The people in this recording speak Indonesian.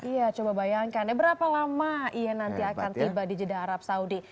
iya coba bayangkan ya berapa lama ia nanti akan tiba di jeddah arab saudi